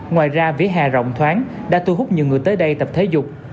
ngoài ra vỉa hà rộng thoáng đã tu hút nhiều người tới đây tập thể dục